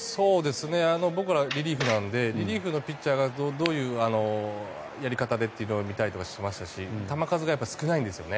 僕らリリーフなのでリリーフのピッチャーがどういうやり方でっていうのを見たりとかしましたし球数が少ないんですよね。